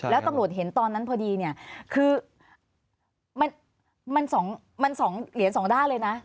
แล้วตำรวจเห็นตอนนั้นพอดีเนี่ยคือมัน๒เหรียญสองด้านเลยนะ